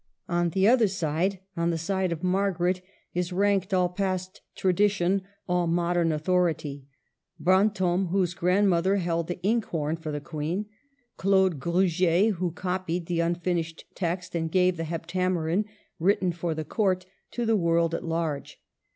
On the other side, on the side of Margaret, is ranked all past tradition, all modern author ity, — Brantome, whose grandmother held the ink horn for the Queen; Claude Gruget, who copied the unfinished text and gave the ^* Hep tameron," written for the Court to the world at large.